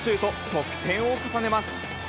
得点を重ねます。